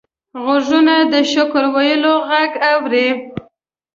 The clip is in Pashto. غوږونه د شکر ویلو غږ اوري